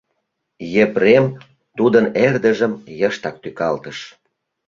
Епрем тудын эрдыжым йыштак тӱкалтыш.